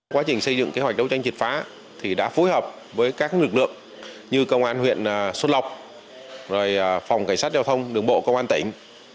quá trình xây dựng kế hoạch đấu tranh triệt phá thì đã phối hợp với các lực lượng như công an huyện xuân lọc phòng cảnh sát giao thông đường bộ công an tỉnh